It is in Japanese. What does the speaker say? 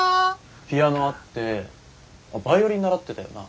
ピアノあってあっバイオリン習ってたよな？